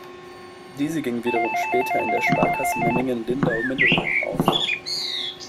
Diese ging wiederum später in der "Sparkasse Memmingen-Lindau-Mindelheim" auf.